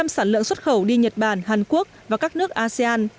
một mươi sản lượng xuất khẩu đi nhật bản hàn quốc và các nước asean